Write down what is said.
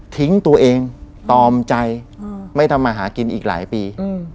ทิ้งตัวเองตอมใจไม่ทำมาหากินอีกหลายปี